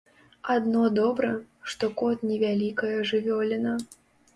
Адно добра, што кот невялікая жывёліна.